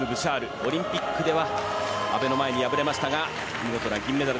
オリンピックでは阿部の前に敗れましたが見事な銀メダル。